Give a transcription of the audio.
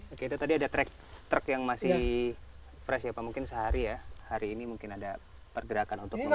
oke itu tadi ada truk yang masih fresh ya pak mungkin sehari ya hari ini mungkin ada pergerakan untuk mengangkut